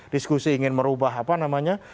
diskusi ingin merubah apa namanya